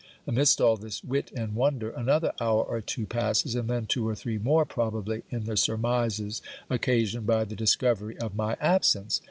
Amidst all this wit and wonder, another hour or two passes; and then two or three more probably in the surmises occasioned by the discovery of my absence.